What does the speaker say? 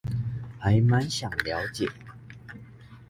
還滿想了解